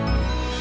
ya aku ambil